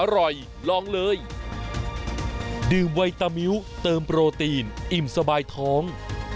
อร่อยลองเลยดื่มไวตามิ้วเติมโปรตีนอิ่มสบายท้อง